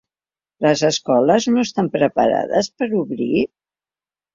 Les escoles no estan preparades per a obrir?